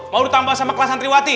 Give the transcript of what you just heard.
mau ditambah sama kelas santriwati